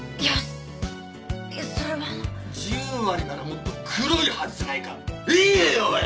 いやそれは十割ならもっと黒いはずじゃないかええ⁉おい！